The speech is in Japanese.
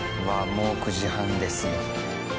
もう９時半ですよ。